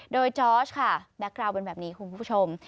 โดยจอร์สค่ะแก๊กกราวเป็นแบบนี้คุณผู้ชม